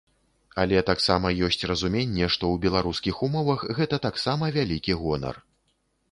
Але таксама ёсць разуменне, што ў беларускіх умовах гэта таксама вялікі гонар.